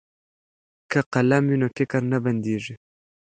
که قلم وي نو فکر نه بندیږي.